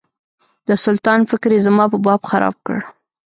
د سلطان فکر یې زما په باب خراب کړ.